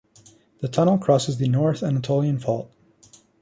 The tunnel crosses the North Anatolian Fault.